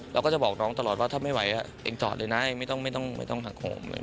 เราก็จะบอกน้องตลอดว่าถ้าไม่ไหวเองจอดเลยนะไม่ต้องหักโคมเลย